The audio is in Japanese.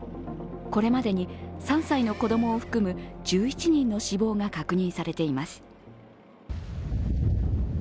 これまでに３歳の子供を含む１１人の死亡が確認されています。